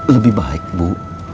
lebih baik bu